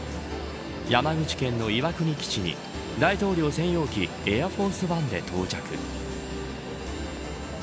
山口県の岩国基地に大統領専用機エアフォースワンで到着。